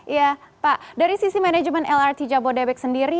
iya pak dari sisi manajemen lrt jabodebek sendiri